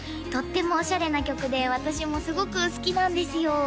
とってもオシャレな曲で私もすごく好きなんですよ